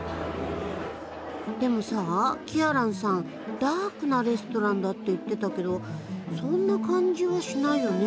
でもさキアランさん「ダークなレストラン」だって言ってたけどそんな感じはしないよね？